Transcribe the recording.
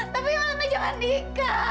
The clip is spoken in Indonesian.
tapi mama jangan nikah